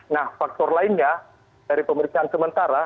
nah faktor lainnya dari pemeriksaan sementara